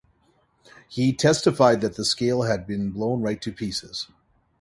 He testified that the scale had been "blown right to pieces".